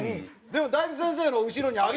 でも大吉先生の後ろにあるよ。